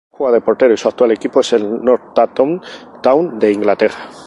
Juega de portero y su actual equipo es el Northampton Town de Inglaterra.